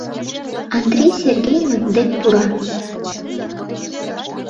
Андрий Сергеймыт дек пура.